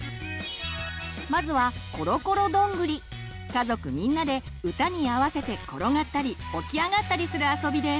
まずは家族みんなで歌に合わせて転がったりおきあがったりするあそびです！